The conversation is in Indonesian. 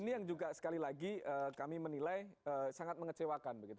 ini yang juga sekali lagi kami menilai sangat mengecewakan begitu